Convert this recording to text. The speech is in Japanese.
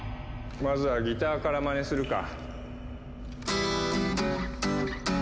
まずはギターからまねするか。